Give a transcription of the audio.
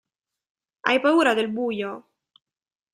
Hai paura del buio?